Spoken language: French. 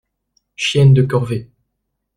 Chienne de corvée!